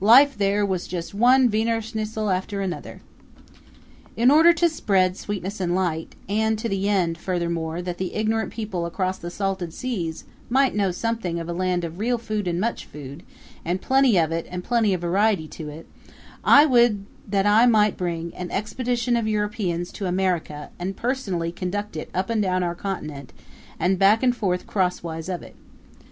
Life there was just one Wiener schnitzel after another. In order to spread sweetness and light, and to the end, furthermore, that the ignorant people across the salted seas might know something of a land of real food and much food, and plenty of it and plenty of variety to it, I would that I might bring an expedition of Europeans to America and personally conduct it up and down our continent and back and forth crosswise of it.